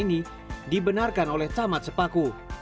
ini dibenarkan oleh camat sepaku